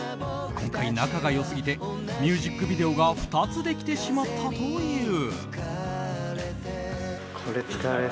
今回、仲が良すぎてミュージックビデオが２つできてしまったという。